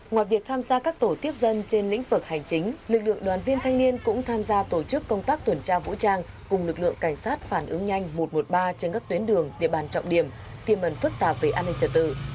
ngoài việc tham gia các tổ tiếp dân trên lĩnh vực hành chính lực lượng đoàn viên thanh niên cũng tham gia tổ chức công tác tuần tra vũ trang cùng lực lượng cảnh sát phản ứng nhanh một trăm một mươi ba trên các tuyến đường địa bàn trọng điểm tiềm mần phức tạp về an ninh trật tự